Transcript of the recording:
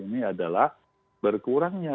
ini adalah berkurangnya